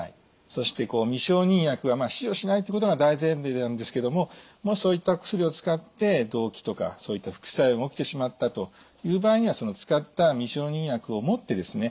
そして未承認薬は使用しないということが大前提なんですけどももしそういったお薬を使って動悸とかそういった副作用が起きてしまったという場合にはその使った未承認薬を持ってですね